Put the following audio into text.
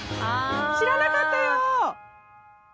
知らなかったよ！